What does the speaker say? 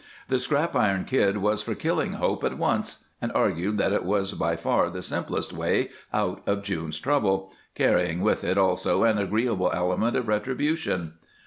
The Scrap Iron Kid was for killing Hope at once, and argued that it was by far the simplest way out of June's trouble, carrying with it also an agreeable element of retribution.